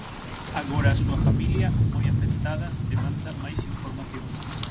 Agora a súa familia, moi afectada, demanda máis información.